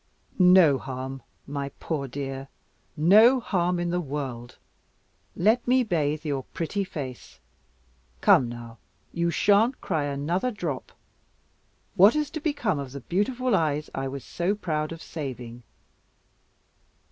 "No harm, my poor dear, no harm in the world; let me bathe your pretty face. Come now, you shan't cry another drop. What is to become of the beautiful eyes I was so proud of saving?"